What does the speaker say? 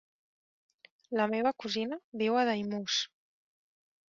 La meva cosina viu a Daimús.